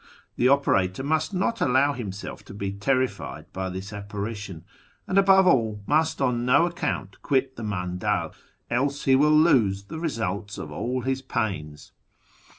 The operator must not allow himself to be terrified by this apparition, and, above all, must on no account quit the mandal, else he will lose the results of all his pains.